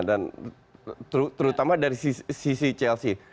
dan terutama dari sisi chelsea